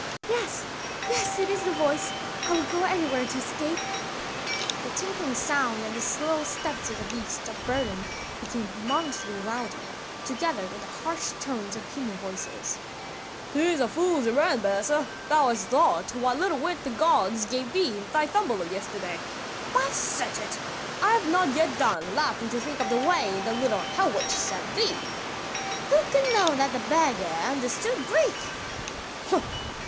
"Yes, yes! it is the voice; I will go anywhere to escape." The tinkling sound and the slow steps of the beasts of burden became momently louder, together with the harsh tones of a human voice. "'Tis a fool's errand, Besa; thou hast lost what little wit the gods gave thee in thy tumble of yesterday. By Sechet! I have not yet done laughing to think of the way the little hell witch served thee!" "Who could know that the beggar understood Greek!"